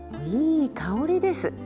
いい香りです。